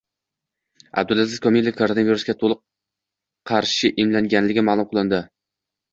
Abdulaziz Komilov koronavirusga qarshi to‘liq emlangani ma’lum qilindi